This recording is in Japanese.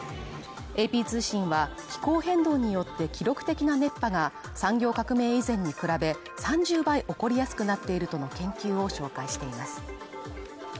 ＡＰ通信は気候変動によって記録的な熱波が、産業革命以前に比べ３０倍起こりやすくなっているとの研究を紹介しています。